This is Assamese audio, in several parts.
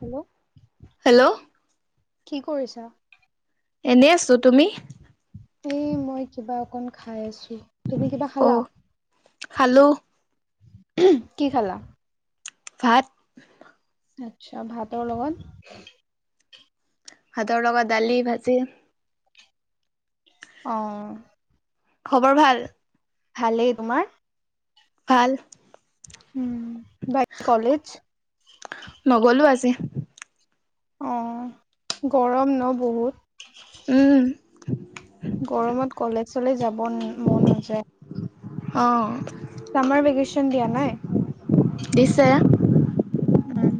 হেল্ল' হেল্ল' কি কৰিছা? এনে আছো তুমি? এই মই কিবা অকন খাই আছো। তুমি কিবা অ খালা? খালো কি খালা? ভাত আচ্ছা ভাতৰ লগত ভাতৰ লগত দালি, ভাজি। অ' খবৰ ভাল? ভালেই তোমাৰ? ভাল। উম বাকী কলেজ? নগলো আজি অ' গৰম ন উম বহুত গৰমত কলেজ চলেজ যাব মন নাযায়। অ' চামাৰ ভেকেশচন দিয়া নাই। দিছে। উম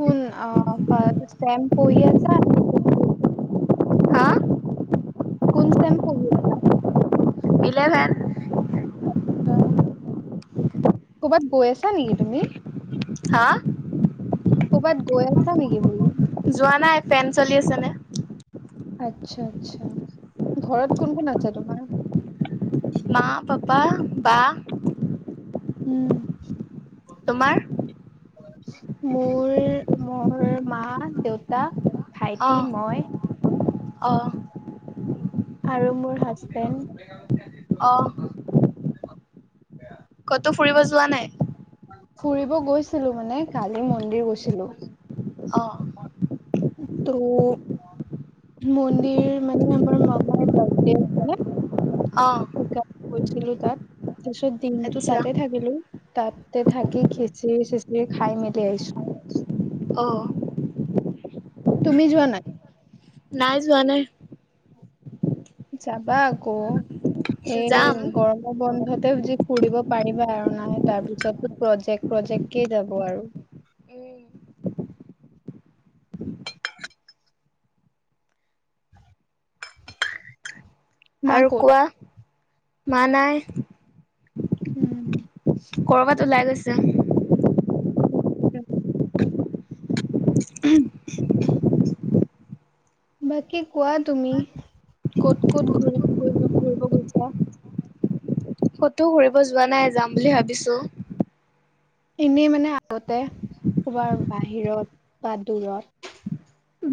কোন অ ফাৰ্ষ্ট চেম পঢ়ি আছে আৰু ডিগ্ৰী হা কোন চেম পঢ়ি আছা? ইলেভেন। আচ্ছা। ক'ৰবাত গৈ আছা নেকি তুমি হা ক'ৰবাত গৈ আছা নেকি বোলে যোৱা নাই ফেন চলি আছে আচ্ছা আচ্ছা ঘৰত কোন কোন আছে তোমাৰ মা পাপা বা উম তোমাৰ মোৰ মোৰ মা দেউতা ভাইটি অঁ মই অঁ আৰু মোৰ হাজবেণ্ড অ ক'তো ফুৰিব যোৱা নাই ফুৰিব গৈছিলো মানে কালি মন্দিৰ গৈছিলো অ তো মন্দিৰ মানে আমাৰ মামাৰ বাৰ্থডে আছিলে। অ [unintelligible] গৈছিলো তাত তাৰপিছত দিনটো আচ্ছা তাতে থাকিলো। তাতে থাকি খিচিৰি চিচিৰি খায়-মেলি আহিছো। অ তুমি যোৱা নাই? নাই, যোৱা নাই। যাবা আকৌ সেই যাম গৰম বন্ধতে যি ফুৰিব পাৰিবা আৰু নাই তাৰ পিছতো প্ৰজেক্ট প্ৰজেক্ট কেই যাব আৰু উম মা আৰু ক'ত কোৱা, মা নাই উম কৰ'বাত ওলাই গৈছে। উম [unintelligible] [unintelligible] [inaudible] বাকী কোৱা তুমি, ক'ত ক'ত ঘূৰি ঘূৰিব গৈছা? ক'ত ঘুৰিব যোৱা নাই, যাম বুলি ভাবিছো। এনেই মানে আহোতে ক'বাৰ বাহিৰত বা দূৰত,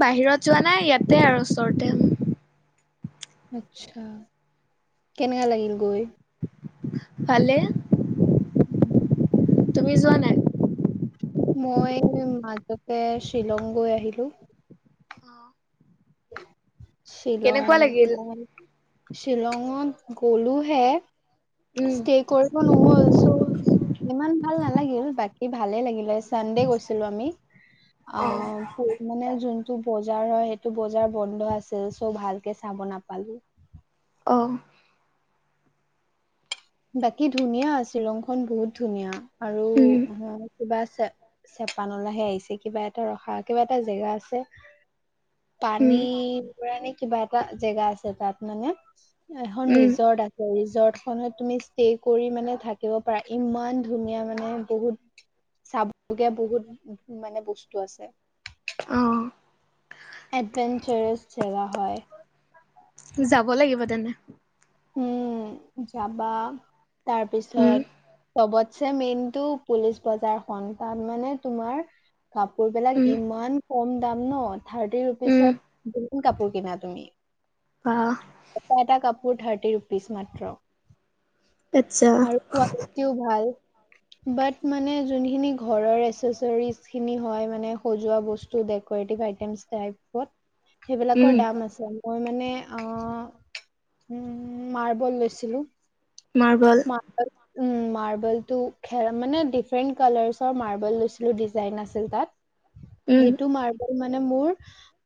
বাহিৰত যোৱা নাই, ইয়াতে আৰু ওচৰতে। আচ্ছা, কেনেকা লাগিল গৈ, ভালে উম তুমি যোৱা নাই? মই মাজতে শ্বিলং গৈ আহিলো। অ', শ্বিলং, কেনেকুৱা লাগিল? শ্বিলঙত গলো হে উম ষ্টে কৰিব নহ'ল চ' ইমান ভাল নালাগিল, বাকি ভালে লাগিলে। চানডে গৈছিলো আমি অ মানে যোনটো বজাৰ হয় টো, বজাৰ বন্ধ আছিল, চ' ভালকে চাব নাপালোঁ। অ'। বাকী ধুনীয়া, শ্বিলংখন বহুত ধুনীয়া, আৰু উম কিবা চে, চেপানলাহে আহিছে, কিবা এটা ৰখা কিবা এটা জেগা আছে। পানী উম বৰা নে, কিবা এটা জেগা আছে, তাত মানে এখন উম ৰিজৰ্ট আ ছে, ৰিজৰ্টখনত তুমি ষ্টে কৰি মানে থাকিব পাৰা, ইমান ধুনীয়া মানে বহুত চাবলগীয়া বহুত মানে বস্তু আছে। অ'। এডভেঞ্চাৰছ জেগা হয়। যাব লাগিব তেনে। উম, যাবা, উম তাৰপিছত সবতছে মেইনটো পুলিচ বজাৰখন, তাত মানে তোমাৰ কাপোৰ বিলাক উম ইমান কম দাম ন' থাৰ্টি উম ৰুপিচত কিমান কাপোৰ কিনা তুমি, বাহ এটা-এটা কাপোৰ থাৰ্ত থাৰ্টি ৰুপিচ মাত্ৰ, আচ্ছা আৰু কোৱালিটিও ভাল। বাট মানে জনখিনি ঘৰৰ এচেছৰিছখিনি হয়, মানে সজোৱা বস্তু দে কৰেটিভ আইটেমছ টাইপত। সেইবিলাকৰ উম দাম আছে, মই মানে অ', উম, মাৰ্বল লৈছিলোঁ। মাৰ্বল। হয়। উম, মাৰ্বল টো, খেৰ, মানে ডিফাৰেন্ট কালাৰছৰ মাৰ্বল লৈছিলোঁ, ডিজাইন আছিল তাত। উম সেইটো মাৰ্বল মানে মোৰ,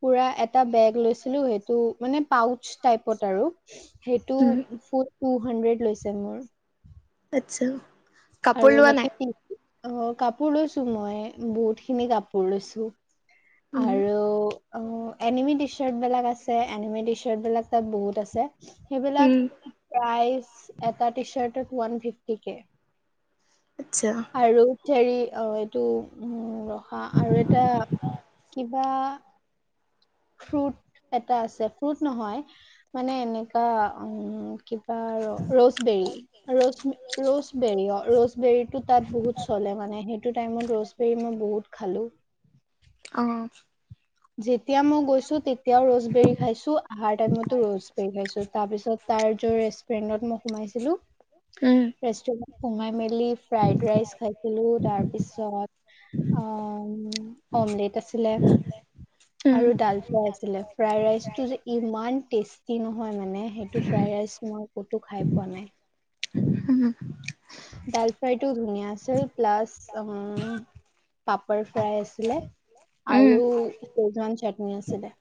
পুৰা এটা বেগ লৈছিলো, সেইটো মানে পাউচ টাইপত আৰু। সেইটো, উম ফুত টু হাণ্ড্ৰেড লৈছে, মোৰ। আচ্ছা। কাপোৰ আৰু লোৱা বাকী নাই? [unintelligible] অ', কাপোৰ লৈছোঁ মই, বহুত খিনি কাপোৰ লৈছো, উম আৰু অ', এনিমি টিশ্বৰ্ট বিলাক আছে, এনিমি টিশ্বৰ্ট বিলাক তাত বহুত আছে। সেইবিলাক, উম প্ৰাইচ এটা টি চাৰ্টত, ওৱান ফিফতি কে। আচ্ছা। আৰু হেৰি অ', এইটো উ, ৰখা, আৰু এটা কিবা ফ্ৰুট এটা আছে, ফ্ৰুট নহয়, মানে এনেকা, উম [unintelligible] ৰ'চবেৰী। ৰ-ৰৌছবেৰী অ', ৰৌচবেৰীতটো তাত বহুত চলে মানে, সেইটো টাইমত ৰৌচ বেৰী, মই বহুত খালোঁ। অ'। যেতিয়া মই গৈছোঁ, তেতিয়াও ৰৌচবেৰি খাইছোঁ, আহাৰ টাইমতো ৰৌচবেৰি খাইছোঁ, তাৰপিছত তাৰ, যৰ ৰেষ্টুৰেন্টত মই সোমাইছিলোঁ। উম। ৰেষ্টুৰেণ্ট সোমাই মেলি, ফ্ৰাইড ৰাইচ খাইছিলো, তাৰ পিছত আ', অমলেট আছিলে। উম আৰু ডাল ফ্ৰাই আছিলে, ফ্ৰাই ৰাইচটো যে ইমান টেষ্টি নহয় মানে, সেইটো ফ্ৰাই ৰাইচ মই ক'তো খাই পোৱা নাই। উম। ডাল ফ্ৰাই টো ধুনীয়া আছিল প্লাছ উম, পাপাৰ ফ্ৰাই আছিলে উম আৰু সেইজৱান চাটনি আছিলে।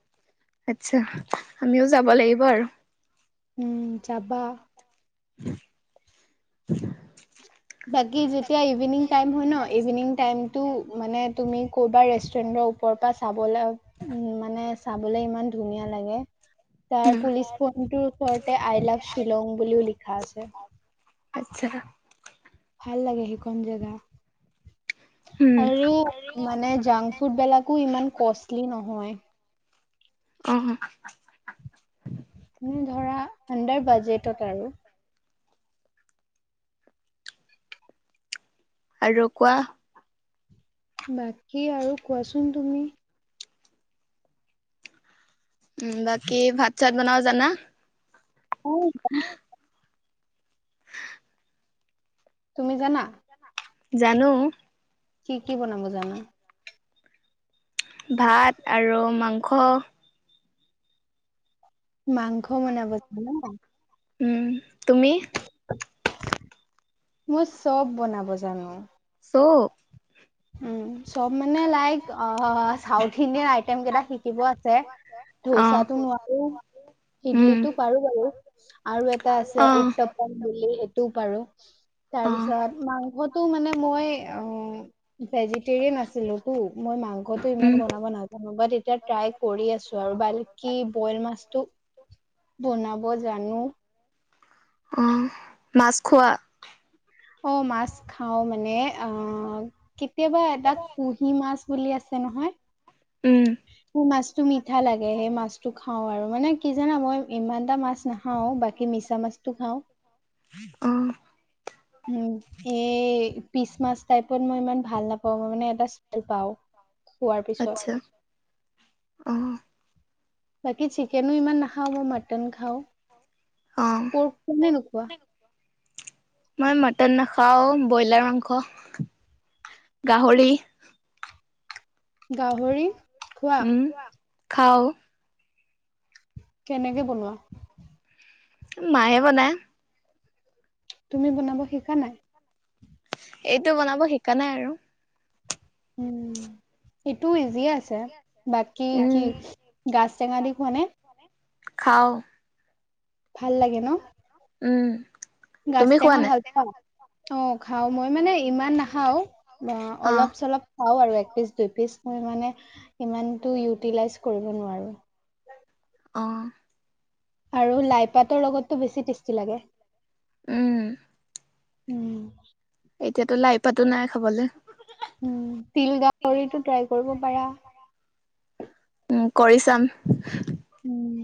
আচ্ছা আমিও যাব লাগিব আৰু। উম, যাবা। [inaudible] বাকী যেতিয়া ইভিনিং টাইম হয় ন' ইভিনিং টাইম টো মানে তুমি ক'বা ৰেষ্টুৰেন্টৰ ওপৰ পৰা চাবলেওঁ উম, মানে চাবলে ইমান ধুনীয়া লাগে। তাৰ উম পুলিচ পইণ্টৰ ওচৰতে আই লাভ শ্বিলং বুলিও লিখা আছে। আচ্ছা। ভাল লাগে সেইখন জেগা উম আৰু মানে জাংক ফুডবেলাকো ইমান কষ্টলি নহয়। অ', উম, ধৰা আণ্ডাৰ বাজেটত আৰু। আৰু কোৱা? বাকী আৰু কোৱাচোন তুমি? উম, বাকী ভাত-চাত বনাব জানা? [unintelligible] তুমি জানা? জানো। কি, কি বনাব জানা? ভাত আৰু মাংস মাংস বনাব [unintelligible] উম, তুমি? মই চব বনাব জানো। চ' উম, চব মানে লাইক অ' চাউথ ইণ্ডিয়ান আইটেম কেইটা শিকিব আছে। অ ধোছাটো নোৱাৰো। উম ইডলিটো পাৰো বাৰু আৰু এটা আছে অ উত্তপ। টপ বুলি সেইটো পাৰো অ উম তাৰপিছত মাংসটো মানে মই অ' ভেজিটেৰিয়ান আছিলোঁ তেতিয়া তো মই মাংসটো ইমান বনাব নাজানো বাট এতিয়া ট্ৰাই কৰি আছো আৰু বা কি বইল মাছটো বনাব জানো। আহ, মাছখোৱা? অ' মাছ খাও মানে অ' কেতিয়াবা এটা কুহি মাছ বুলি আছে নহয়? উম, মোৰ মাছটো মিঠা লাগে সেই মাছটো খাও আৰু মানে কি জানা মই ইমানএটা মাছ না খাওঁ বাকি মিছামাছ তো খাওঁ। অ', উম, কে পিছমাছ টাইপত মই ইমান ভাল নাপাও মই মানে এটা স্মেল পাও খোৱাৰ পিছত। আচ্ছা। অ', বাকী চিকেনো ইমান নাখাওঁ মই মটন খাওঁ। পৰ্ক খোৱা নে নোখোৱা? অ', মই মটন নাখাওঁ, বইলাৰ মাংস গাহৰি। গাহৰি। খোৱা উম খাওঁ। কেনেকে বনোৱা। উ মায়ে বনায় তুমি বনাব শিকা নাই। এইটো বনাব শিকা নাই আৰু। উম সেইটোও ইজিয়ে আছে। আছে বাকী উম। কি গাছ টেঙা দি খোৱা নে খাওঁ। ভাল লাগে ন। উম। গাজ তুমি খোৱা টেঙা নাই? ভাল পোৱা অ খাও মই মানে ইমান নাখাওঁ বা অ', অলপ চলপ। খাওঁ আৰু এক পিচ দুই পিচ মই মানে ইমানটো ইউটিলাইজ কৰিব নোৱাৰো অ আৰু লাই পাতৰ লগতো বেছি টেষ্টি লাগে। উম। উম। এতিয়াতো লাই পাতো নাই খাবলে উম তিল গাহৰিটো ট্ৰাই কৰিব পাৰা। উম কৰি চাম। উম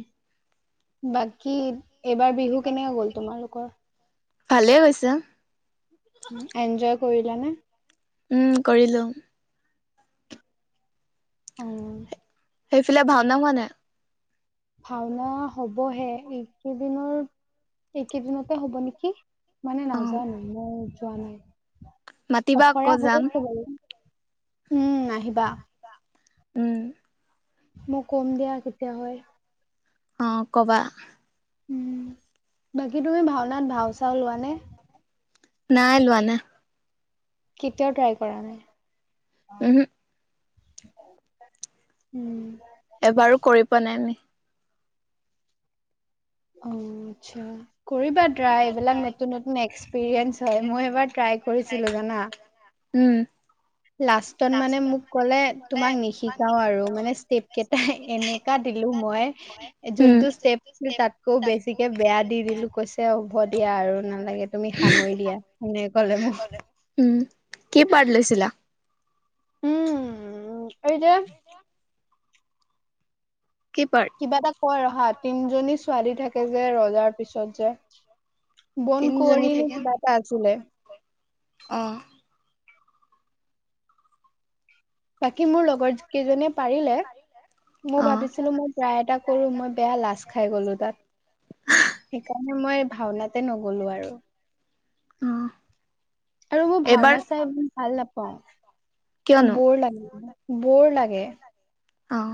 বাকী এইবাৰ বিহু কেনেকে গ'ল তোমালোকৰ। ভালে গৈছে উম এনজয় কৰিলা নে উম, কৰিলোঁ। অ সেইফালে ভাওনা হোৱা নাই ভাওনা হবহে এইকেইদিনৰ এইকেইদিনতে হব নেকি মানে অ', নাজানো মই যোৱা নাই মাতিবা আকৌ আখৰা হৈ যাম, আছে যাম উম আহিবা। উম। মই কম দিয়া কেতিয়া হয়। অ ক'বা। উম বাকী তুমি ভাওনাত ভাও-চাওঁ লোৱানে নাই, লোৱা নাই। কেতিয়াও ট্ৰাই কৰা নাই ওহো। উম। এবাৰো কৰি পোৱা নাই আমি অ আচ্ছা, কৰিবা ট্ৰাই, এইবিলাক নতুন নতুন এক্সপেৰীয়েন্স হয় মই এবাৰ ট্ৰাই কৰিছিলো জানা। উম। লাষ্টত মানে মোক ক'লে তোমাক নিশিকাও আৰু মানে ষ্টেপ কে এহে এনেকা দিলো মই, উম যোনটো ষ্টেপ কিন্তু তাতকৈও বেছিকে, বেয়া দি দিলো কৈছে। এতিয়া হব দিয়া আৰু, নালাগে তুমি সামৰি দিয়া, হেনেকে কলে মোক। উম, কি পাৰ্ট লৈছিলা? উম, এই যে কি পাৰ্ট? কিবা এটা কয় আৰু হা, তিনজনী ছোৱালী থাকে যে, ৰজাৰ পিছত যে। বন তিনিজনী কুঁৱৰি নে, কিবা এটা আছিলে। অঁ। বাকী মোৰ লগৰ কেইজনিয়ে পাৰিলে। মই অ ভাবিছিলো, মই ট্ৰাই এটা কৰো, মই বেয়া লাজ খাই গলো তাত। সেইকাৰণে, মই ভাওনাতে নগলো আৰু। অ। আৰু মোৰ এইবাৰ ভাওনা চাই ভাল নাপাওঁ, কিয়নো বৰ লাগে। বৰ লাগে। অঁ।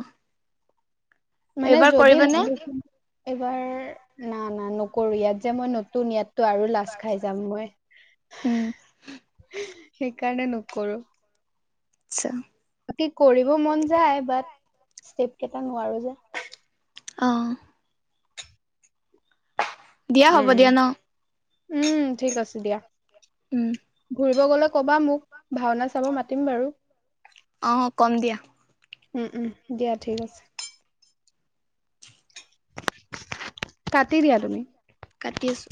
মানে যদি কৰিবানে [unintelligible] এইবাৰ, না না নকৰো ইয়াত যে মই নতুন, ইয়াতো আৰু লা ছ খাই যাম মই, উম সেইকাৰণে নকৰো। আচ্ছা। বাকী কৰিব মন যায়, বাট ষ্টেপ কেইটা নোৱাৰো যে। অ। দিয়া হ'ব উম, দিয়া ন উম ঠিক আছে দিয়া। উম। ঘুৰিব গ'লে ক'বা মোক, ভাওনা চাব মাতিম বাৰু। অ', কম দিয়া। উম, উম দিয়া ঠিক আছে। কাটি দিয়া তুমি। কাটি আছোঁ।